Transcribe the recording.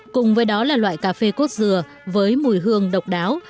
cùng với đó là loại cà phê cốt dừa với mùi hương độc đáo